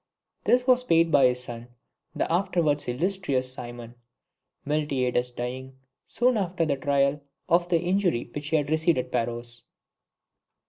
This was paid by his son, the afterwards illustrious Cimon, Miltiades dying, soon after the trial, of the injury which he had received at Paros.